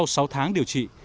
sau sáu tháng điều trị